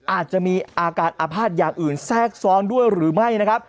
อาจจะมีอาการอาภาษณ์อย่างอื่นแทรกซ้อนด้วยหรือไม่นะครับ